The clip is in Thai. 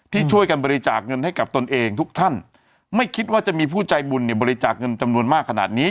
ที่ช่วยกันบริจาคเงินให้กับตนเองทุกท่านไม่คิดว่าจะมีผู้ใจบุญเนี่ยบริจาคเงินจำนวนมากขนาดนี้